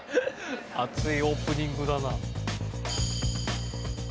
熱いオープニングだな。